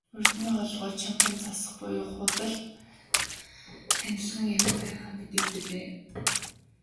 Урьд нь хоолойгоо чангахан засах буюу худал ханиалган амьд байгаагаа мэдэгддэг байв.